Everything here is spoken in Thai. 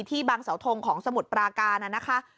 ที่บางสาวทงของสมุดปรากาน่ะนะคะ